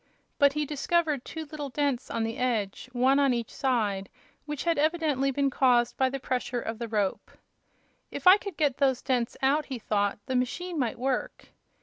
But he discovered two little dents on the edge, one on each side, which had evidently been caused by the pressure of the rope. "If I could get those dents out," he thought, "the machine might work."